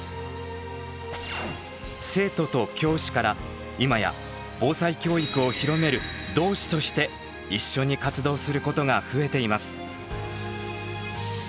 「生徒と教師」から今や防災教育を広める「同志」として一緒に活動することが増えています。